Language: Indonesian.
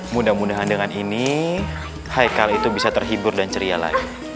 mudah mudahan dengan ini haikal itu bisa terhibur dan ceria lagi